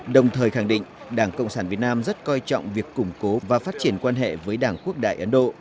đồng thời khẳng định đảng cộng sản việt nam rất coi trọng việc củng cố và phát triển quan hệ với đảng quốc đại ấn độ